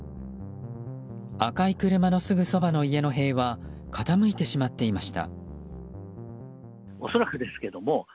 赤い車のすぐそばの家の塀は傾いてしまっていました。